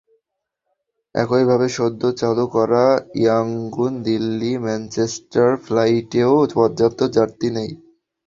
একইভাবে সদ্য চালু করা ইয়াঙ্গুন, দিল্লি, ম্যানচেস্টার ফ্লাইটেও পর্যাপ্ত যাত্রী নেই।